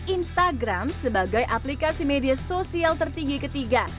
instagram sebagai aplikasi media sosial tertinggi ketiga